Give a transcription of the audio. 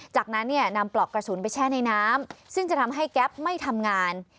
จากนั้นเนี่ยนำปลอกกระสุนไปแช่ในน้ำซึ่งจะทำให้แก๊ปไม่ทำงาน